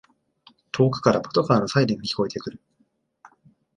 遠くからパトカーのサイレンが聞こえてくる